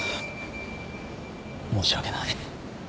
申し訳ない。